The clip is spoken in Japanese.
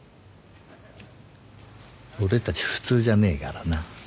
俺たち普通じゃねえからな。